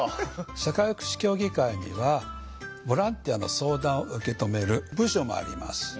社会福祉協議会にはボランティアの相談を受け止める部署もあります。